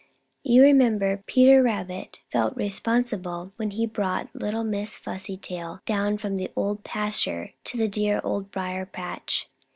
You remember Peter Rabbit felt re spon sible when he brought little Miss Fuzzy tail down from the Old Pasture to the dear Old Briar patch.